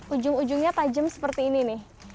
ujung ujungnya tajam seperti ini nih